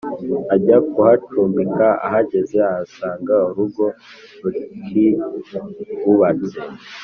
ajya kuhacumbika ahageze ahasanga urugo ruhiubatse